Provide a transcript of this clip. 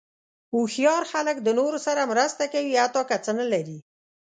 هوښیار خلک د نورو سره مرسته کوي، حتی که څه نه لري.